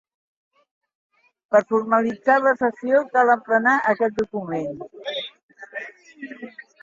Per formalitzar la cessió cal emplenar aquest document.